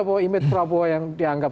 bahwa image prabowo yang dianggap